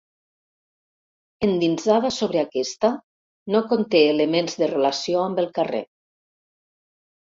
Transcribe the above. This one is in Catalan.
Endinsada sobre aquesta, no conté elements de relació amb el carrer.